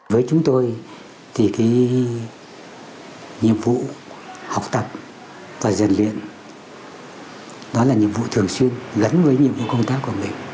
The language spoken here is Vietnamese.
với chúng tôi thì nhiệm vụ học tập và giàn luyện đó là nhiệm vụ thường xuyên gắn với nhiệm vụ công tác của mình